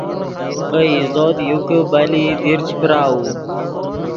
ڤے عزوت یو کہ بلئیت دیر چے پراؤو